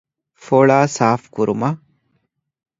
ފޮޅައި ސާފުކުރުމަށް